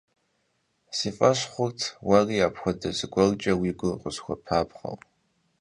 Си фӀэщ хъурт уэри апхуэдэ зыгуэркӀэ уи гур къысхуэпабгъэу.